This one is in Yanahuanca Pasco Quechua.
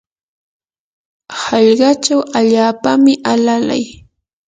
hallqachaw allaapami alalay.